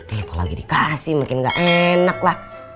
eh kalau lagi dikasih makin gak enak lah